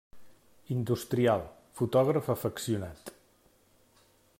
Industrial, fotògraf afeccionat.